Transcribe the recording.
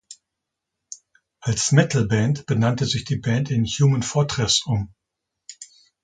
Als Metal-Band benannte sich die Band in "Human Fortress" um.